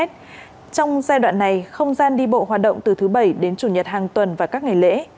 trong giai đoạn này không gian đi bộ hoạt động từ thứ bảy đến chủ nhật hàng tuần và các ngày lễ